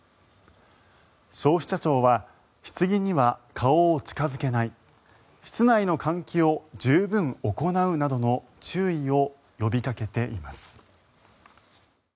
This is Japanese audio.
消費者庁はひつぎには顔を近付けない室内の換気を十分行うなどの注意を呼びかけています。